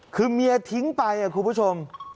คือเมียทิ้งไปคุณผู้ชม